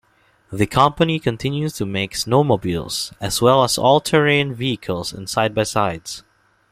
The company continues to make snowmobiles as well as all-terrain vehicles and side-by-sides.